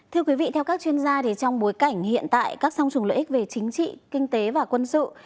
thưa quý vị theo các chuyên gia trong bối cảnh hiện tại các song trùng lợi ích về chính trị kinh tế và quân sự